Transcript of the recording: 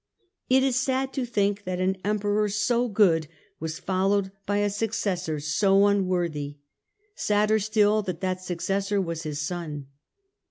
It is sad to think that an Emperor so good was tollowed by a successor so unworthy ; sadder still that that successor was his son.